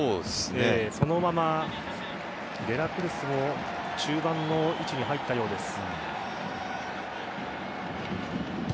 そのままデラクルスも中盤の位置に入ったようです。